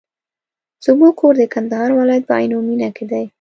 زموږ کور د کندهار ولایت په عينو مېنه کي دی.